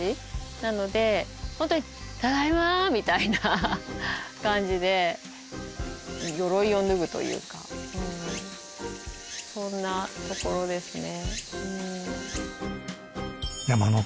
なので本当に「ただいま！」みたいな感じで鎧を脱ぐというかそんな所ですね。